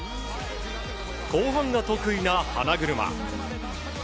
後半が得意な花車。